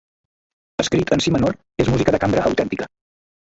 Escrit en si menor, és música de cambra autèntica.